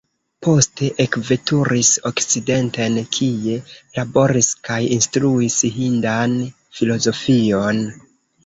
Poste ekveturis okcidenten kie laboris kaj instruis hindan filozofion.